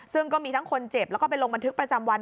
ซึ่งก็มีทั้งคนเจ็บแล้วก็ไปลงบันทึกประจำวัน